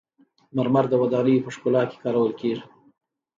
مرمر د ودانیو په ښکلا کې کارول کیږي.